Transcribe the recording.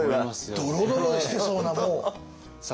ドロドロしてそうなもう。